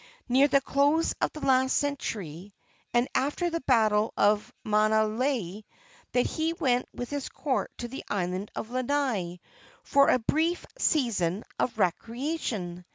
near the close of the last century, and after the battle of Maunalei, that he went with his court to the island of Lanai for a brief season of recreation.